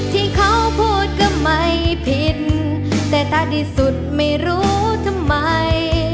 ที่เขาพูดก็ไม่ผิดแต่ตาดีสุดไม่รู้ทำไม